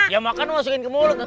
ya makan masukin ke mulut